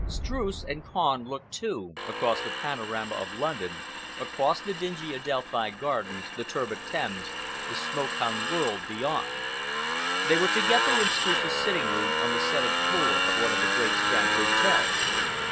Streuss and Kahn looked, too, across the panorama of London, across the dingy Adelphi Gardens, the turbid Thames, the smoke hung world beyond. They were together in Streuss's sitting room on the seventh floor of one of the great Strand hotels.